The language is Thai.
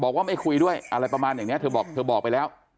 ไม่คุยด้วยอะไรประมาณอย่างนี้เธอบอกเธอบอกไปแล้ว